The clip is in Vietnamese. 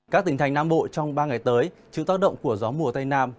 các tỉnh thành nam bộ trong ba ngày tới chịu tác động của gió mùa tây nam